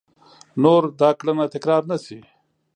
نور دا کړنه تکرار نه شي !